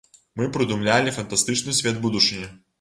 Мы прыдумлялі фантастычны свет будучыні.